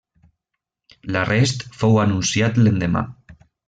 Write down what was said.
L'arrest fou anunciat l'endemà.